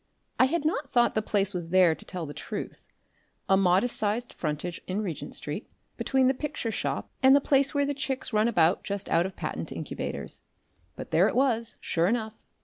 I had not thought the place was there, to tell the truth a modest sized frontage in Regent Street, between the picture shop and the place where the chicks run about just out of patent incubators, but there it was sure enough.